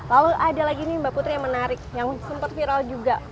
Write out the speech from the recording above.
lalu ada lagi nih mbak putri yang menarik yang sempat viral juga